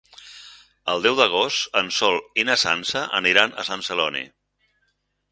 El deu d'agost en Sol i na Sança aniran a Sant Celoni.